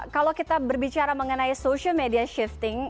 kalau kita berbicara mengenai social media shifting